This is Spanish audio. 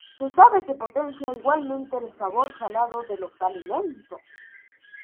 Se sabe que potencia igualmente el sabor salado de los alimentos.